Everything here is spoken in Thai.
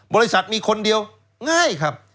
บริษัทมีคนเดียวง่ายครับ